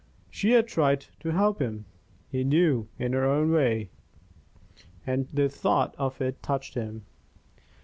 She had tried to help him, he knew in her way and the thought of it touched him.